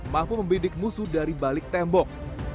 mampu membidik musuh dari balik tembok